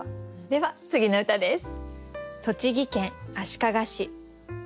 では次の歌です。